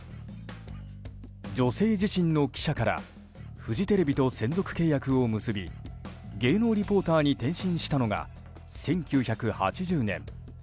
「女性自身」の記者からフジテレビと専属契約を結び芸能リポーターに転身したのが１９８０年。